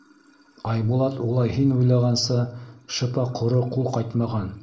Айбулат улай һин уйлағанса шыпа ҡоро ҡул ҡайтмаған.